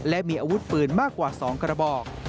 และมีอาวุธปืนมากกว่า๒กระบอก